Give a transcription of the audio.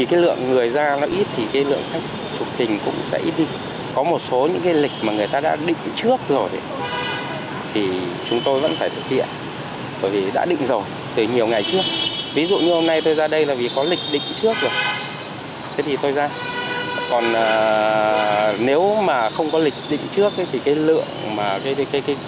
còn nếu mà không có lịch định trước thì cái lượng mà cái công việc của mình nó cũng ít lắm mỏng manh